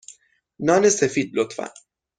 نان سفید، لطفا.